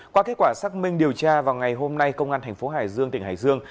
qua kết quả xác minh điều tra vào ngày hôm nay công an tp hải dương tỉnh hải dương